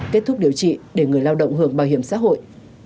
kết thúc điều trị để người lao động hưởng bảo hiểm xã hội